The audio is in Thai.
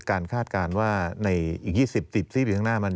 การคาดการณ์ว่าในอีก๒๐๓๐ปีข้างหน้า